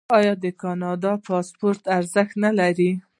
آیا د کاناډا پاسپورت ارزښت نلري؟